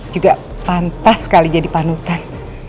juga pantas sekali jadi panutan